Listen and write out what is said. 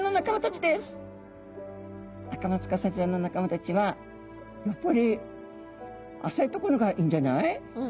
アカマツカサちゃんの仲間たちは「やっぱり浅い所がいいんじゃない？」。